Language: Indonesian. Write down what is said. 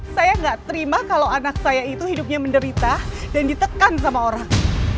saya nggak terima kalau anak saya itu hidupnya menderita dan ditekan sama orang